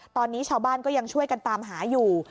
ตอนนี้ชาวบ้านก็ยังช่วยกันตามหาอยู่